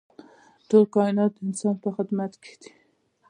ټول کاینات د انسان په خدمت کې دي.